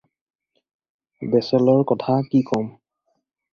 Bachelor কথা কি ক'ম?